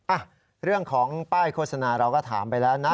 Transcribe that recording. อ่ะเรื่องของป้ายโฆษณาเราก็ถามไปแล้วนะ